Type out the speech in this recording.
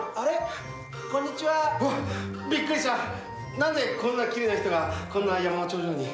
なんでこんなきれいな人がこんな山の頂上に。